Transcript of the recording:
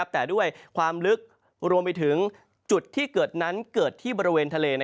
แต่ด้วยความลึกรวมไปถึงจุดที่เกิดนั้นเกิดที่บริเวณทะเล